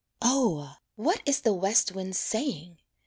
O! What is the west wind saying!